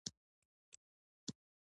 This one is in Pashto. د ویښتانو نرمې ږمنځې کارول وېښتان ساتي.